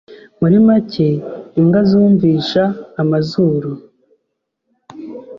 Muri make imbwa zumvisha amazuru.